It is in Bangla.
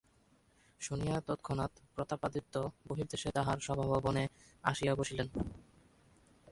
শুনিয়া তৎক্ষণাৎ প্রতাপাদিত্য বহির্দেশে তাঁহার সভাভবনে আসিয়া বসিলেন।